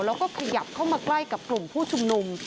แล้วก็ขยับเข้ามาใกล้กับกลุ่มผู้ชุมนุม